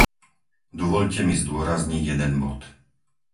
Dovoľte mi zdôrazniť jeden bod.